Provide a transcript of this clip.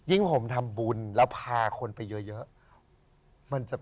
ผมทำบุญแล้วพาคนไปเยอะ